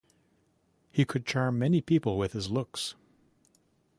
He could charm many people with his looks.